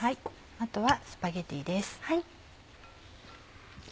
あとはスパゲティです。